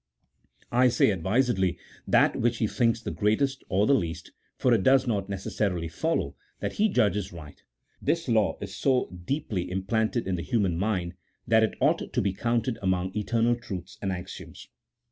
I say advisedly that which he thinks the greatest or the least, for it does not necessarily follow that he judges right. This law is so deeply implanted in the human mind that it ought to be counted among eternal truths and axioms.